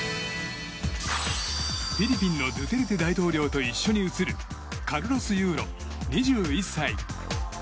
フィリピンのドゥテルテ大統領と一緒に写るカルロス・ユーロ、２１歳。